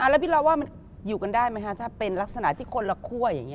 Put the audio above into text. แล้วพี่เราว่ามันอยู่กันได้ไหมคะถ้าเป็นลักษณะที่คนละคั่วอย่างนี้